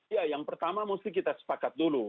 ya yang pertama mesti kita sepakat dulu